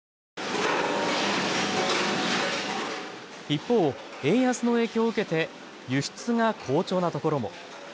一方、円安の影響を受けて輸出が好調なところも。